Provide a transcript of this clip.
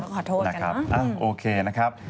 ขอโทษนะครับโอเคนะครับ